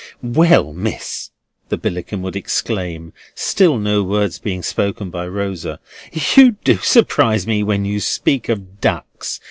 "Well, Miss!" the Billickin would exclaim (still no word being spoken by Rosa), "you do surprise me when you speak of ducks!